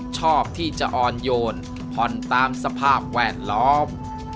ชอบที่จะอ่อนโยนผ่อนตามสภาพแวดล้อม